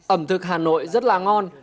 ẩm thực hà nội rất là ngon